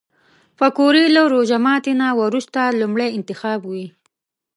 پکورې له روژه ماتي نه وروسته لومړی انتخاب وي